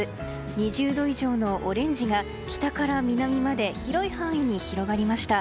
２０度以上のオレンジが北から南まで広い範囲に広がりました。